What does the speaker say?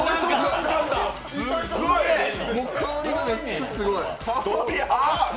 香りがめっちゃすごい！